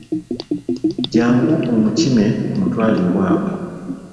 Jjangu omukime omutwale ewaabwe.